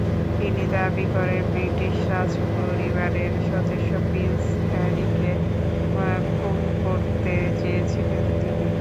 তিনি দাবি করেন, ব্রিটিশ রাজপরিবারের সদস্য প্রিন্স হ্যারিকে খুন করতে চেয়েছিলেন তিনি।